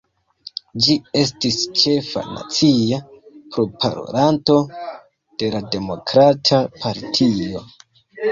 Ĝi estis ĉefa nacia proparolanto de la Demokrata Partio.